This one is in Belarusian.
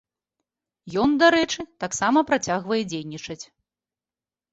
Ён, дарэчы, таксама працягвае дзейнічаць.